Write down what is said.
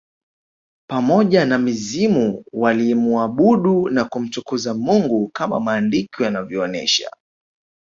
Pamoja na mizimu walimuabudu na kumtukuza Mungu kama maandiko yanavyoonesha